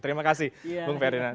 terima kasih bung feryan